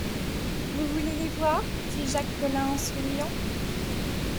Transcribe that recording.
Vous voulez les voir?... dit Jacques Collin en souriant.